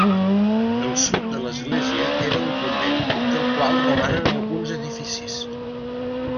El sud de l'església era un convent, del qual romanen alguns edificis.